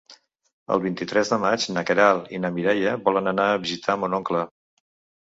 El vint-i-tres de maig na Queralt i na Mireia volen anar a visitar mon oncle.